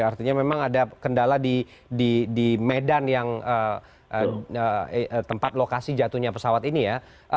artinya memang ada kendala di medan yang tempat lokasi jatuhnya pesawat ini ya